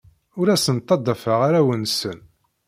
Ur asen-ttaḍḍafeɣ arraw-nsen.